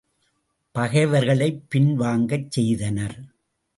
பகைவர்களைப் பின் வாங்கச் செய்தனர்.